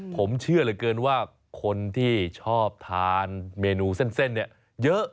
ผมเชื่อเหลือเกินว่าคนที่ชอบทานเมนูเส้นเนี่ยเยอะ